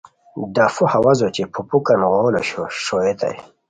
ڈفو ہوازو اوچے پھوناکان غول ݰوئیتائے